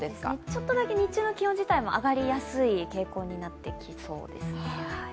ちょっとだけ日中の気温自体も上がりやすい傾向になってきそうです。